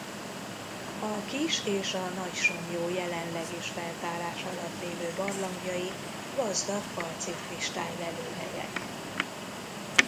A Kis- és a Nagy-Somlyó jelenleg is feltárás alatt lévő barlangjai gazdag kalcitkristály-lelőhelyek.